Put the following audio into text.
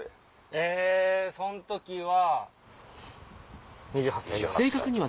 えそん時は２８歳ぐらい。